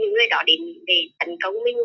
người đó định để tấn công mình